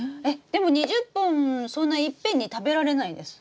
でも２０本そんないっぺんに食べられないです。